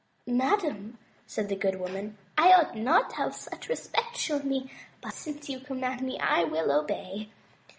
"Madame,'' said the good woman, "I ought not to have such respect shown me, but since you command me, I will obey."